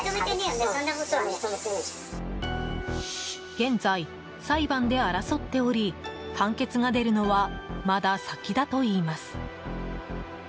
現在、裁判で争っており判決が出るのはまだ先だといいます。